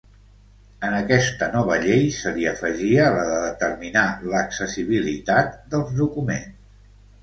En aquesta nova llei se li afegia la de determinar l'accessibilitat dels documents.